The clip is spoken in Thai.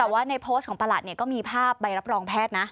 แต่ว่าในโพสต์ของประหลัดก็มีภาพใบรับรองแพทย์นะ